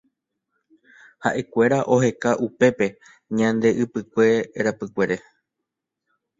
Haʼekuéra oheka upépe ñande ypykue rapykuere.